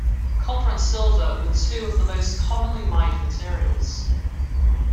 Copper and silver were two of the most commonly mined materials.